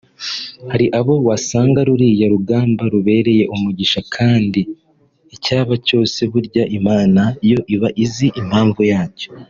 Hari abo wasanga ruriya rugamba rubereye umugisha ariko kandi icyaba cyose burya Imana yo iba izi impamvu yacyo